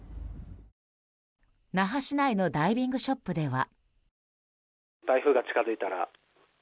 那覇市内のダイビングショップでは。